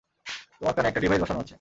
তোমার কানে একটা ডিভাইস বসানো আছে।